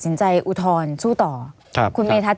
ไม่มีครับไม่มีครับ